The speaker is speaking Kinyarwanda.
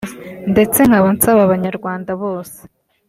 ndetse nkaba nsaba abanyarwanda bose